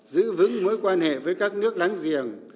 giữ vững mối quan hệ với các nước láng giềng